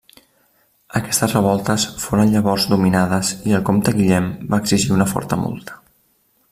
Aquestes revoltes foren llavors dominades i el comte Guillem va exigir una forta multa.